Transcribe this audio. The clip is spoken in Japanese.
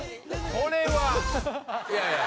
「これはいやいや」